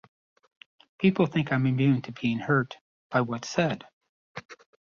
People think I'm immune to being hurt by what's said.